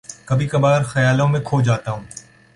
کبھی کبھار خیالوں میں کھو جاتا ہوں